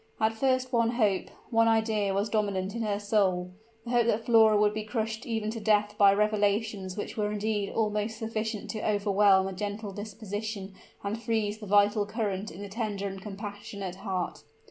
At first one hope one idea was dominant in her soul, the hope that Flora would be crushed even to death by revelations which were indeed almost sufficient to overwhelm a gentle disposition and freeze the vital current in the tender and compassionate heart.